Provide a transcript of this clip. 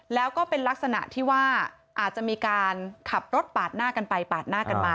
แล้วก็เป็นลักษณะที่ว่าอาจจะมีการขับรถปาดหน้ากันไปปาดหน้ากันมา